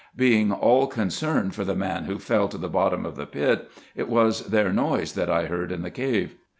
Being all concerned for the man who fell to the bottom of the pit, it was their noise that I heard in the cave.